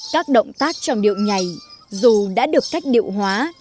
các động tác trong điệu nhảy dù đã được cách điệu hóa